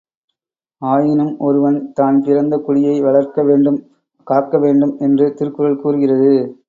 ஆயினும் ஒருவன் தான் பிறந்த குடியை வளர்க்க வேண்டும் காக்கவேண்டும் என்று திருக்குறள் கூறுகிறது.